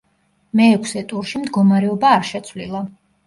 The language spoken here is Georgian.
მეექვსე ტურში მდგომარეობა არ შეცვლილა.